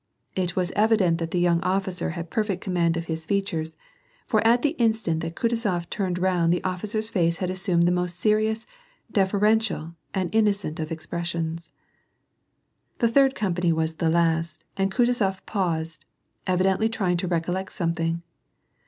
It was evident that the young officer had per fect command of his features : for at the instant that Kutuzof turned round the officer's face had assumed the most serious, deferential, and innocent of expressions. The third company was the last and Kutuzof paused, evi dently trying to recollect something.